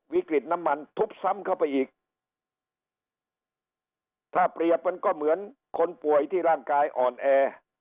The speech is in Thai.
วิกฤตน้ำมันทุบซ้ำเข้าไปอีกถ้าเปรียบมันก็เหมือนคนป่วยที่ร่างกายอ่อนแอ